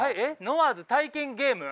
ノワーズ体験ゲーム？